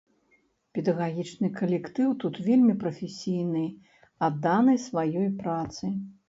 Педагагічны калектыў тут вельмі прафесійны, адданы сваёй працы.